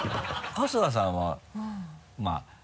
春日さんはまぁ。